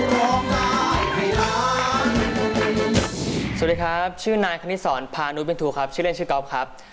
สวัสดีครับชื่อนายคณิตศรพานุเป็นทูครับชื่อเล่นชื่อก๊อฟครับ